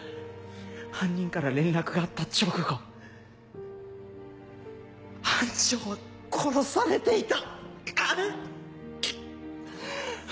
犯人から連絡があった直後班長は殺されていた！